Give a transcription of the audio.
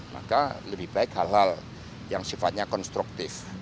maka lebih baik hal hal yang sifatnya konstruktif